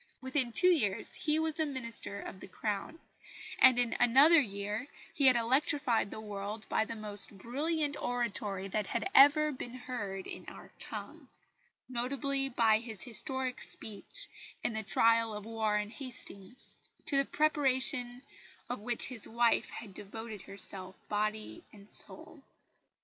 Within two years he was a Minister of the Crown; and in another year he had electrified the world by the most brilliant oratory that had ever been heard in our tongue notably by his historic speech in the trial of Warren Hastings, to the preparation of which his wife had devoted herself body and soul.